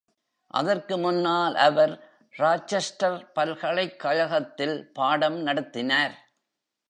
அதற்குமுன்னால், அவர் ராசெஸ்டெர் பல்கலைக்கழகத்தில் பாடம் நடத்தினார்.